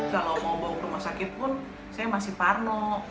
kalau mau bawa ke rumah sakit pun saya masih parno